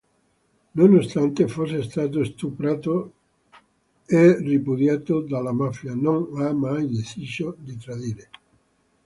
Nonostante fosse stato stuprato e ripudiato dalla mafia, non ha mai deciso di tradire.